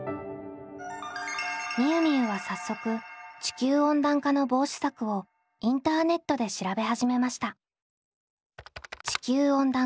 みゆみゆは早速地球温暖化の防止策をインターネットで調べ始めました。